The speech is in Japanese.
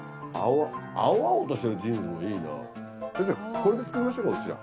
これで作りましょうかうちら。